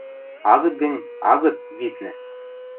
Агыт гӹнь, агыт, виднӹ!